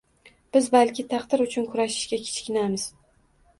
Biz balki taqdir uchun kurashishga kichkinamiz...